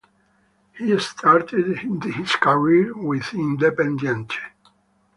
He started his career with Independiente.